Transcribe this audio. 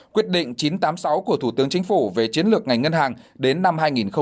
quyết định chín trăm tám mươi sáu của thủ tướng chính phủ về chiến lược ngành ngân hàng đến năm hai nghìn ba mươi